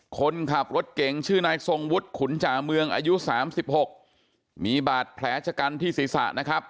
คนขับรถเก่งชื่อนายทรงวุฒิขุนจ่าเมืองอายุ๓๖มีบาดแผลชะกันที่ศีรษะนะครับ